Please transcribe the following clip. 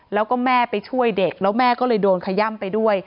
แล้วก็แม่ไปช่วยเด็กแล้วแม่ก็เลยโดนขย่ำไปด้วย